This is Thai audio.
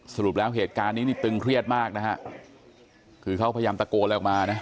สรุปแล้วเหตุการณ์นี้นี่ตึงเครียดมากนะฮะคือเขาพยายามตะโกนอะไรออกมานะ